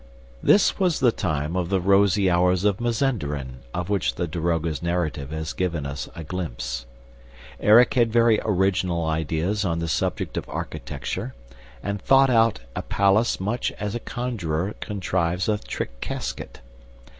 This was the time of the rosy hours of Mazenderan, of which the daroga's narrative has given us a glimpse. Erik had very original ideas on the subject of architecture and thought out a palace much as a conjuror contrives a trick casket.